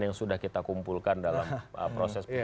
yang sudah kita kumpulkan dalam proses